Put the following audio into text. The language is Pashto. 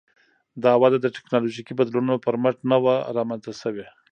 دا وده د ټکنالوژیکي بدلونونو پر مټ نه وه رامنځته شوې